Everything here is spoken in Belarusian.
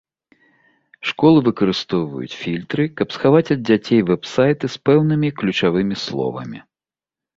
Школы выкарыстоўваюць фільтры, каб схаваць ад дзяцей вэб-сайты з пэўнымі ключавымі словамі.